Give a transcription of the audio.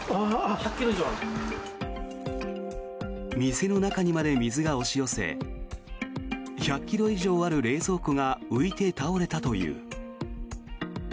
店の中にまで水が押し寄せ１００ｋｇ以上ある冷蔵庫が浮いて、倒れたという。